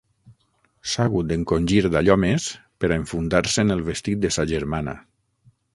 S'ha hagut d'encongir d'allò més per a enfundar-se en el vestit de sa germana.